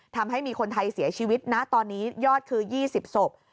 ทำให้มีคนไทยเสียชีวิตนะตอนนี้ยอดคือ๒๐ศพ